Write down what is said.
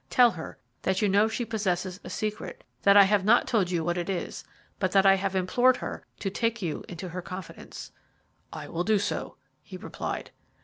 Tell her that you know she possesses a secret, that I have not told you what it is, but that I have implored her to take you into her confidence." "I will do so," he replied.